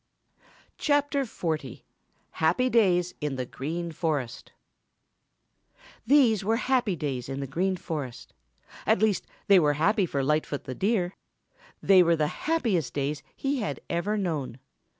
CHAPTER XL HAPPY DAYS IN THE GREEN FOREST These were happy days in the Green Forest. At least, they were happy for Lightfoot the Deer. They were the happiest days he had ever known.